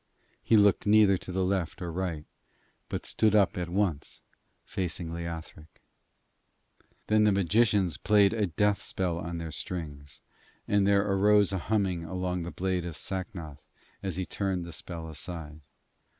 He looked neither to left nor right, but stood up at once facing Leothric. Then the magicians played a deathspell on their strings, and there arose a humming along the blade of Sacnoth as he turned the spell aside.